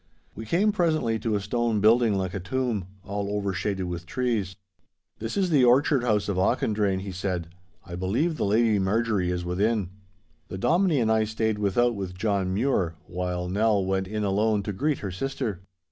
We came presently to a stone building like a tomb, all overshaded with trees. 'This is the orchard house of Auchendrayne,' he said. 'I believe the Lady Marjorie is within.' The Dominie and I stayed without with John Mure, while Nell went in alone to greet her sister.